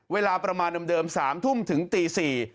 เวลาประมาณเดิม๓ทุ่มถึงตี๔